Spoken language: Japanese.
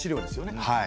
はい。